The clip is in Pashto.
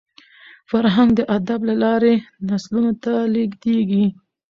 فرهنګ د ادب له لاري نسلونو ته لېږدېږي.